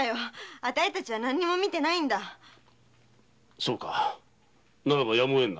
そうかならばやむをえんな。